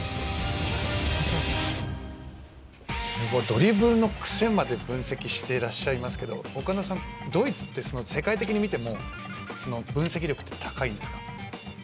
ドリブルの癖まで分析していらっしゃいますが岡田さん、ドイツって世界的に見ても分析力って高いんですか？